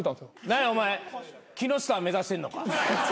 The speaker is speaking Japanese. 何やお前木下目指してんのか？